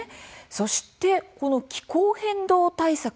そして、この気候変動対策